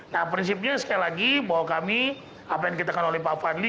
nah prinsipnya sekali lagi bahwa kami apa yang dikatakan oleh pak fadli